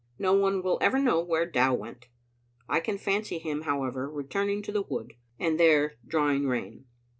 No one will ever know where Dow went. I can fancy him, however, returning to the wood, and there drawing rein.